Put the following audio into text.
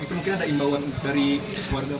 itu mungkin ada imbauan dari warga